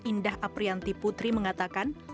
indah aprianti putri mengatakan